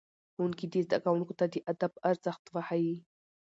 ښوونکي دي زدهکوونکو ته د ادب ارزښت وښيي.